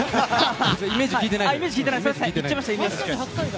イメージ聞いてない。